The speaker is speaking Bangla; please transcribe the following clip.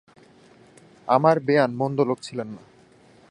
আমার বেয়ান মন্দ লোক ছিলেন না।